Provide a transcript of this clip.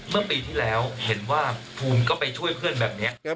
เมื่อปีที่แล้วเห็นว่าภูมิก็ไปช่วยเพื่อนแบบนี้